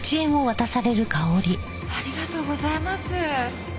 ありがとうございます。